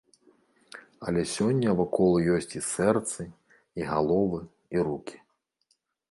Але сёння вакол ёсць і сэрцы, і галовы, і рукі.